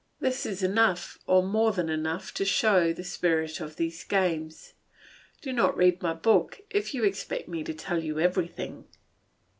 This is enough, or more than enough, to show the spirit of these games. Do not read my book if you expect me to tell you everything.